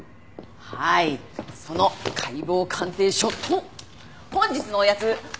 はいその解剖鑑定書と本日のおやつフロランタン！